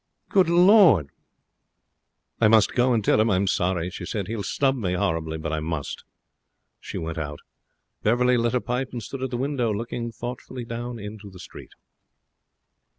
Good Lord!' Annette rose. 'I must go and tell him I'm sorry,' she said. 'He'll snub me horribly, but I must.' She went out. Beverley lit a pipe and stood at the window looking thoughtfully down into the street.